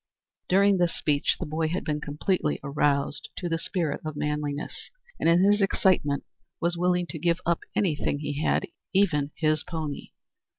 During this speech, the boy had been completely aroused to the spirit of manliness, and in his excitement was willing to give up anything he had even his pony!